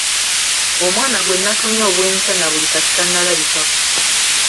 Omwana gwe natumye obw’enkya na buli kati talabikako.